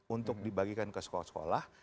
untuk dibagikan ke sekolah sekolah